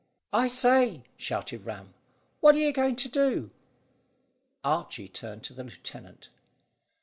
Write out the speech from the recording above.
"I say," shouted Ram, "what are you going to do?" Archy turned to the lieutenant.